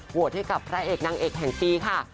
ให้กับพระเอกนางเอกแห่งปีค่ะ